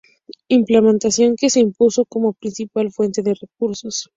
Implantación que se impuso como principal fuente de recursos.